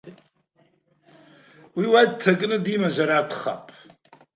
Уи уа дҭакны димазар акәхап.